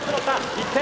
１点。